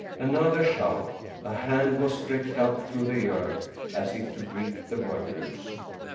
Another shout ! A hand was stretched up through the earth as if to greet the workers.